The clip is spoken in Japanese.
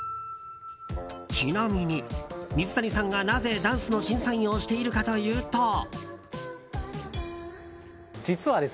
ちなみに水谷さんが、なぜダンスの審査員をしているかというと。